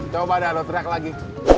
coba dad lo teriak lagi